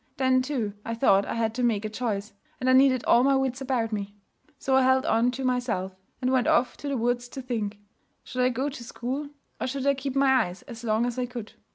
Then, too, I thought I had to make a choice, and I needed all my wits about me. So I held on to myself, and went off to the woods to think. Should I go to school, or should I keep my eyes as long as I could?